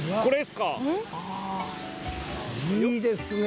「いいですね」